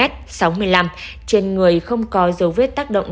trên người không có dấu vết tác động